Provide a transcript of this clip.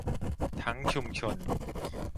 ทั้งชุมชน